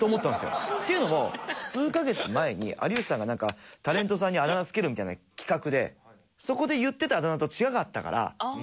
っていうのも数カ月前に有吉さんがタレントさんにあだ名つけるみたいな企画でそこで言ってたあだ名と違かったから。